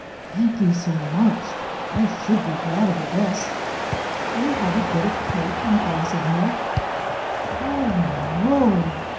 "" Thank you so much, I should be glad of a rest." " Will you have a bit of cake and a glass of milk? "" Oh no